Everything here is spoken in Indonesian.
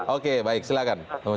oke baik silahkan